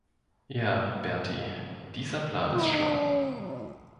Ja, Bertie, dieser Plan ist schlau.